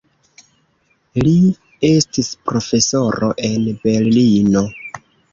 Li estis profesoro en Berlino.